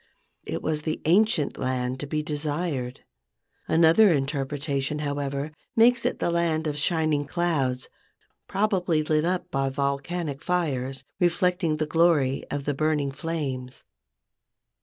It was the ancient land to be desired. Another interpretation, however, makes it the land of shining clouds, probably lit up by volcanic fires, reflecting the glory of the burning flames.